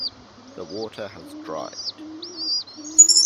The water has dried.